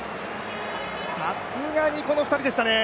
さすがに、この２人でしたね。